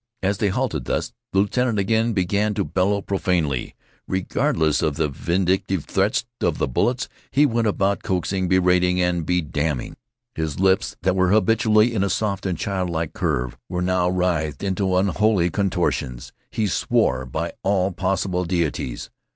As they halted thus the lieutenant again began to bellow profanely. Regardless of the vindictive threats of the bullets, he went about coaxing, berating, and bedamning. His lips, that were habitually in a soft and childlike curve, were now writhed into unholy contortions. He swore by all possible deities.